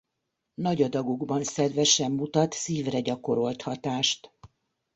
Nagy adagokban szedve sem mutat szívre gyakorolt hatást.